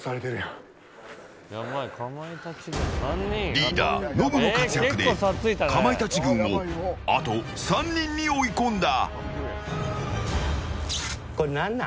リーダー、ノブの活躍でかまいたち軍をあと３人に追い込んだ。